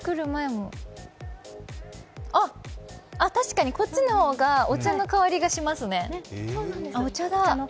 あっ、確かにこっちの方がお茶の香りしますね、お茶だ。